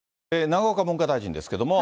永岡文科大臣ですけれども。